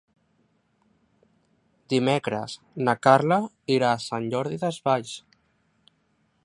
Dimecres na Carla irà a Sant Jordi Desvalls.